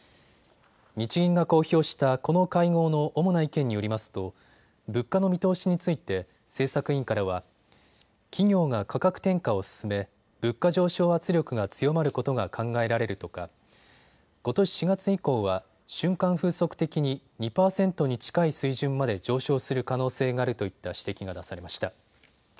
日銀が公表したこの会合の主な意見によりますと物価の見通しについて政策委員からは企業が価格転嫁を進め物価上昇圧力が強まることが考えられるとかことし４月以降は瞬間風速的に２％に近い水準まで上昇する可能性があるといった指摘が出されました。